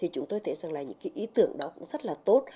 chúng tôi thấy rằng là những ý tưởng đó cũng rất là tốt